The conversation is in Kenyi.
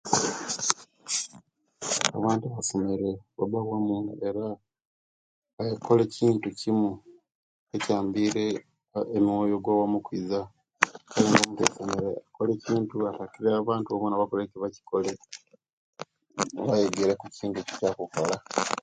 Abantu abasomere babba wamu era bakola ekintu kimu ekyambire omoyo ogwa'wamu okwiza era abantu abasomere bakola ekintu batakiria abantu bonabona bayegere kukintu ekyebalikola